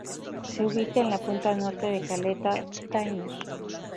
Se ubica en la punta norte de caleta Dinner.